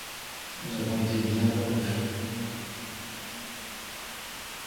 Nous avons été bien heureux.